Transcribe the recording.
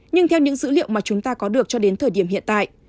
nhưng theo những dữ liệu mà chúng ta có được cho đến thời điểm hiện tại